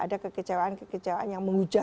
ada kekecewaan kekecewaan yang mengucapkan